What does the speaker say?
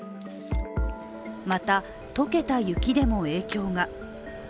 また、解けた雪でも影響が。